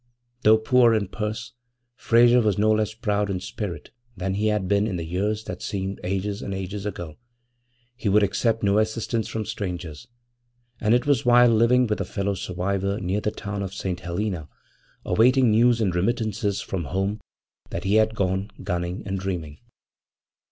Though poor in purse, Frayser was no less proud in spirit than he had been in the years that seemed ages and ages ago. He would accept no assistance from strangers, and it was while living with a fellow survivor near the town of St. Helena, awaiting news and remittances from home, that he had gone gunning and dreaming.